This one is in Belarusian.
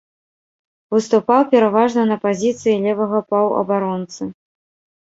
Выступаў пераважна на пазіцыі левага паўабаронцы.